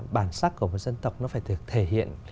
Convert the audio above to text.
bản sắc của một dân tộc nó phải thể hiện